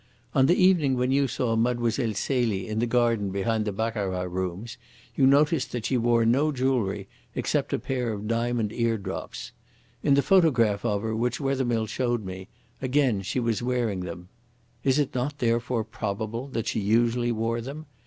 On the evening when you saw Mlle. Celie in the garden behind the baccarat rooms you noticed that she wore no jewellery except a pair of diamond eardrops. In the photograph of her which Wethermill showed me, again she was wearing them. Is it not, therefore, probable that she usually wore them?